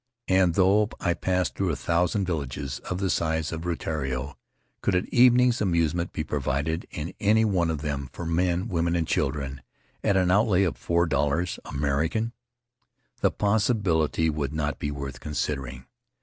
And, though I passed through a thousand villages of the size of Rutiaro, could an evening's amusement be provided in any one of them, for men, women, and children, at an outlay of four dollars, American? The possibility would not be worth considering.